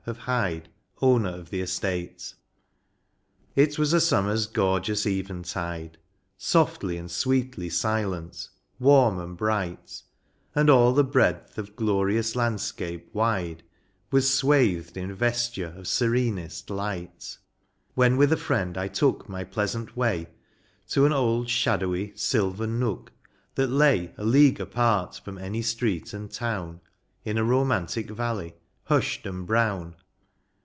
OF HYDE, OWNER OF THE ESTATE. IT was a Summer's gorgeous eventide, Softly and sweetly silent, warm and bright, And all the breadth of glorious landscape wide Was swathed in vesture of serenest light ; When with a friend I took my pleasant way To an old shadowy, sylvan nook, that lay A league apart from any street and town, In a romantic valley, hushed and brown.